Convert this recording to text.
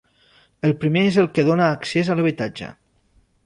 El primer és el que dóna accés a l'habitatge.